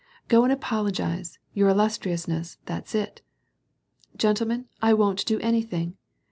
" Go and apologize, your illustriousness, that's it." " Gentlemen, I will do anything.